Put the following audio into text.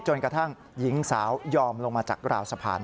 จนกระทั่งหญิงสาวยอมลงมาจากราวสะพาน